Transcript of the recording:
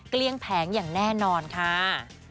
เกลี้ยงแผงอย่างแน่นอนค่ะ